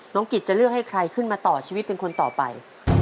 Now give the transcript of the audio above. กิจจะเลือกให้ใครขึ้นมาต่อชีวิตเป็นคนต่อไป